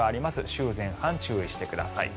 週前半、注意してください。